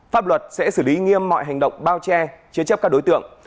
pháp luật sẽ xử lý nghiêm mọi hành động bao che chế chấp các đối tượng